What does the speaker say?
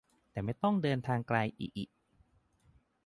แต่ไม่ต้องเดินทางไกลอิอิ